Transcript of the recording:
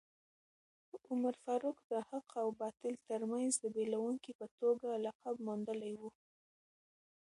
عمر فاروق د حق او باطل ترمنځ د بېلوونکي په توګه لقب موندلی و.